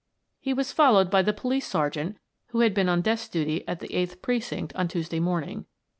He was followed by the police sergeant who had been on desk duty at the Eighth Precinct on Tuesday morning.